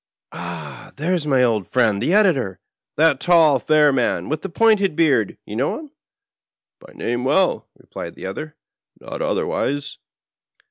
Ah, there's my old friend the Editor — ^that tall, fair man, with the pointed beard. Ton know him ?"" By name, well," replied the other, " not otherwise."